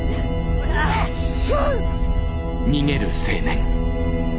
くっそ。